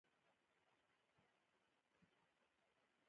شپږویشتمه پوښتنه د عامه ادارې د لیدلوري په اړه ده.